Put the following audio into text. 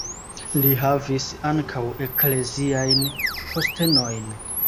Li havis ankaŭ ekleziajn postenojn.